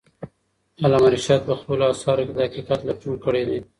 علامه رشاد په خپلو اثارو کې د حقیقت لټون کړی دی.